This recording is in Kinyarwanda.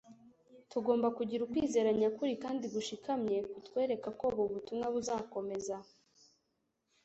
tugomba kugira ukwizera nyakuri kandi gushikamye kutwereka ko ubu butumwa buzakomeza